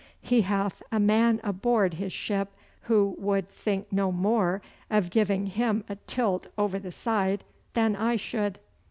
He hath a man aboard his ship who would think no more of giving him a tilt over the side than I should.